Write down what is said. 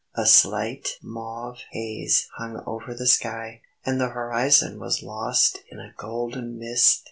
A slight mauve haze hung over the sky, and the horizon was lost in a golden mist.